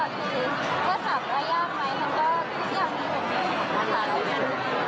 มีความฝันกันก็คือมันหลักกันอยู่กัน